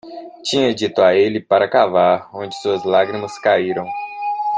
Tinha dito a ele para cavar onde suas lágrimas caíram.